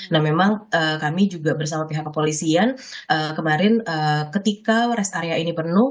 nah memang kami juga bersama pihak kepolisian kemarin ketika rest area ini penuh